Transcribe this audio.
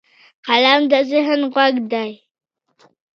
قلم د ذهن غوږ دی